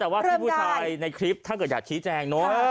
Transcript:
แต่ว่าพี่ผู้ชายในคลิปถ้าเกิดอยากชี้แจงเนอะ